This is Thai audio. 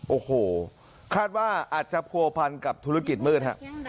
โอ้โหคาดว่าอาจจะผัวพันกับธุรกิจมืดฮะ